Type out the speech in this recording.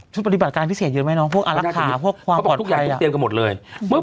ชุดปฏิบัติการพิเศษเยอะไหมเนาะพวกอารักษาพวกความปลอดภัย